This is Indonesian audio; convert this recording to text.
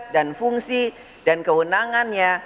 dan fungsi dan kewenangannya